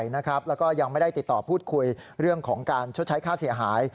แล้วก็ยังไม่ได้ติดต่อพูดคุยเรื่องของการชดใช้ค่าเสียหาย